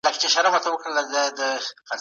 ایا لوی صادروونکي خندان پسته پروسس کوي؟